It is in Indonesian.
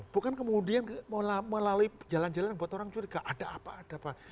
bukan kemudian melalui jalan jalan yang buat orang curiga ada apa ada apa